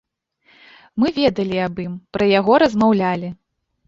Мы ведалі аб ім, пра яго размаўлялі.